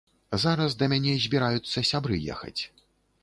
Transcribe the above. Зараз да мяне збіраюцца сябры ехаць.